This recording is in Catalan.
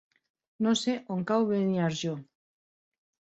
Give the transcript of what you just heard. No sé on cau Beniarjó.